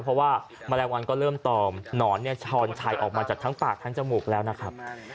เพราะว่าแมลงวันก็เริ่มตอมหนอนเนี่ยช้อนชัยออกมาจากทั้งปากทั้งจมูกแล้วนะครับ